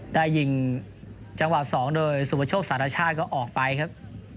ได้ยิงจังหวะ๒โดยสุประโชคสารชาติก็ออกไปครับ